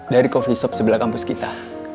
dari coffee shop sebelah kampus kita